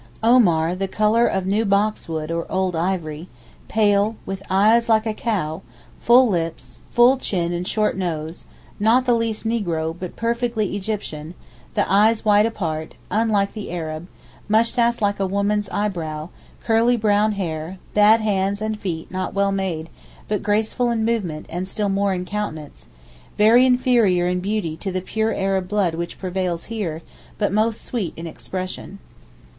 Omar, the colour of new boxwood or old ivory, pale, with eyes like a cow, full lips, full chin and short nose, not the least negro, but perfectly Egyptian, the eyes wide apart—unlike the Arab—moustache like a woman's eyebrow, curly brown hair, bad hands and feet and not well made, but graceful in movement and still more in countenance, very inferior in beauty to the pure Arab blood which prevails here, but most sweet in expression.